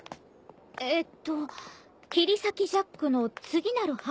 えっと切り裂きジャックの次なる犯行を阻止せよ。